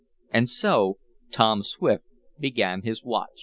And so Tom Swift began his watch.